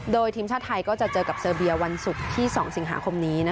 โดยทีมชาติไทยก็จะเจอกับเซอร์เบียวันศุกร์ที่๒สิงหาคมนี้